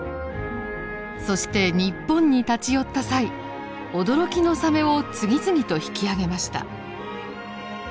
そして日本に立ち寄った際驚きのサメを次々と引き上げました。